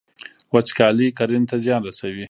وچکالي کرنې ته زیان رسوي.